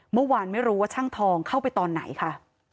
เมื่อวานไม่รู้ว่าช่างทองเข้าไปตอนไหนค่ะ